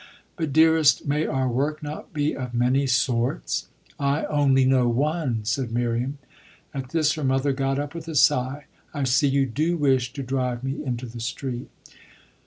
"But, dearest, may our work not be of many sorts?" "I only know one," said Miriam. At this her mother got up with a sigh. "I see you do wish to drive me into the street."